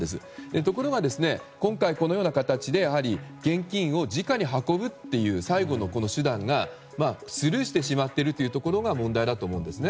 ところが今回このような形で現金をじかに運ぶという最後の手段がスルーしてしまっているところが問題だと思うんですね。